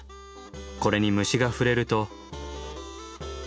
これに虫が触れると。